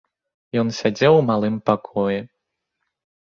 Ён сядзеў у малым пакоі.